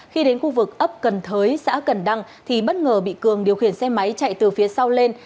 khi đến khu vực ấp cần thới xã cần đăng thì bất ngờ bị cường điều khiển xe máy chạy từ phía sau lên